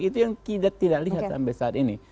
itu yang tidak kita lihat sampai saat ini